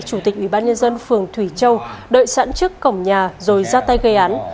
chủ tịch ủy ban nhân dân phường thủy châu đợi sẵn trước cổng nhà rồi ra tay gây án